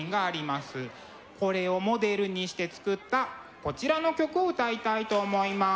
これをモデルにして作ったこちらの曲を歌いたいと思います。